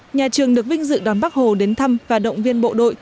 nhà trường được vinh dự đón bắc hồ đến thăm và động viên bộ đội